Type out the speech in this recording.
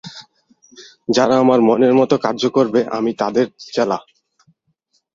যারা আমার মনের মত কার্য করবে, আমি তাদের চেলা।